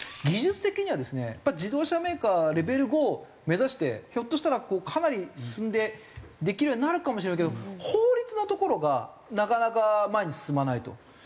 技術的にはですね自動車メーカーレベル５を目指してひょっとしたらかなり進んでできるようになるかもしれないけど法律のところがなかなか前に進まないと。